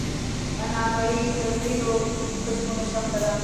نانوایې تر ډیرو کسبونو سخته ده.